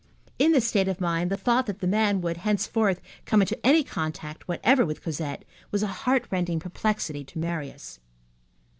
In this state of mind the thought that that man would, henceforth, come into any contact whatever with Cosette was a heartrending perplexity to Marius.